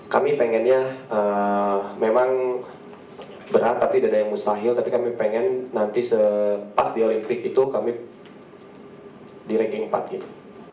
kami pengennya memang berat tapi tidak ada yang mustahil tapi kami pengen nanti pas di olimpik itu kami di ranking empat gitu